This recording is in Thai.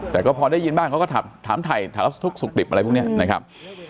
แต่ก็พอได้ยินบ้างเขาก็ถามถ่ายถามทุกข์สุขดิบอะไรพวกนี้นะครับ